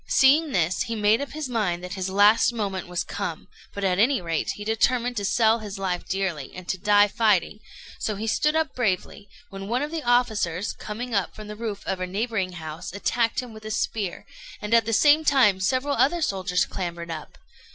Seeing this, he made up his mind that his last moment was come, but, at any rate, he determined to sell his life dearly, and to die fighting; so he stood up bravely, when one of the officers, coming up from the roof of a neighbouring house, attacked him with a spear; and at the same time several other soldiers clambered up.